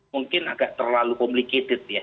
mungkin agak terlalu complicated ya